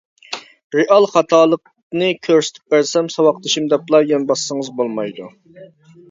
رېئال خاتالىقنى كۆرسىتىپ بەرسەم ساۋاقدىشىم دەپلا يان باسسىڭىز بولمايدۇ.